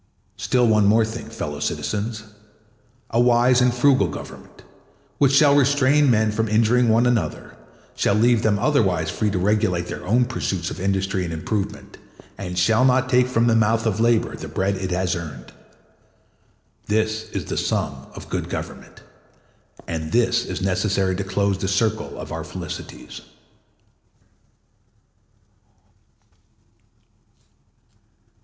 Still one thing more, fellow citizens—a wise and frugal Government, which shall restrain men from injuring one another, shall leave them otherwise free to regulate their own pursuits of industry and improvement, and shall not take from the mouth of labor the bread it has earned. This is the sum of good government, and this is necessary to close the circle of our felicities.